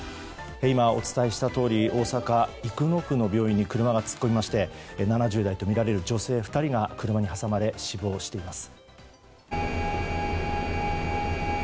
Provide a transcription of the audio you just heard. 今、お伝えしたとおり大阪市生野区の病院に車が突っ込みまして７０代とみられる女性２人が車に挟まれ死亡しています。